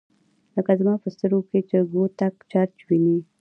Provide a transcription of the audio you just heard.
لکه زما په سترګو کې چي “ګوتهک چرچ” ویني